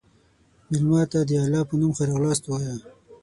مېلمه ته د الله په نوم ښه راغلاست ووایه.